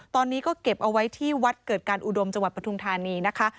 ตอนนี้ก็เก็บเอาไว้ที่วัดเกิดการอุดมจังหวัดปทุมธานีนะคะ